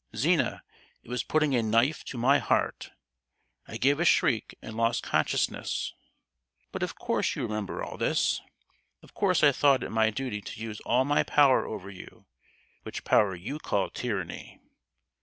Zina, it was putting a knife to my heart! I gave a shriek and lost consciousness. "But of course you remember all this. Of course I thought it my duty to use all my power over you, which power you called tyranny.